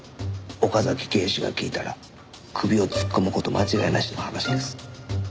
岡崎警視が聞いたら首を突っ込む事間違いなしの話です。